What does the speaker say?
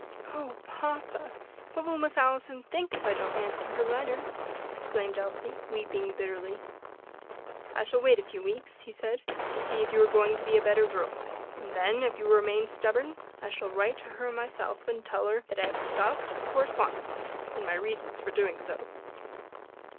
"Oh, papa! what will Miss Allison think if I don't answer her letter?" exclaimed Elsie, weeping bitterly. "I shall wait a few weeks," he said, "to see if you are going to be a better girl, and then, if you remain stubborn, I shall write to her myself, and tell her that I have stopped the correspondence, and my reasons for doing so."